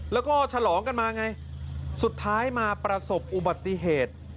แล้วก็ฉลองกันมาไงสุดท้ายมาประสบอุบัติเหตุ